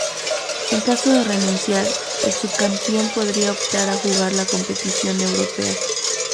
En caso de renunciar, el subcampeón podría optar a jugar la competición europea.